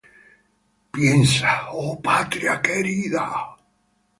Piensa -oh patria querida!